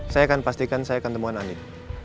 saya akan pastikan saya akan temuan anies